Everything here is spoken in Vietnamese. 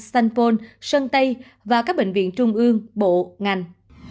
sanpon sơn tây và các bệnh viện trung ương bộ ngành